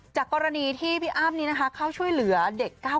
จากกรณีที่พี่อ้ำนี้นะคะเข้าช่วยเหลือเด็ก๙๙